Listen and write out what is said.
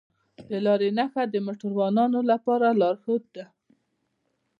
د لارې نښه د موټروانو لپاره لارښود ده.